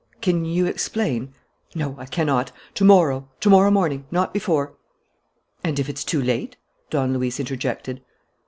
"Can you explain ?" "No, I cannot ... To morrow, to morrow morning not before." "And if it's too late?" Don Luis interjected.